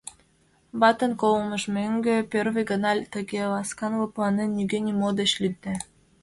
Ватын колымыж мӧҥгӧ первый гана тыге ласкан, лыпланен, нигӧ-нимо деч лӱдде.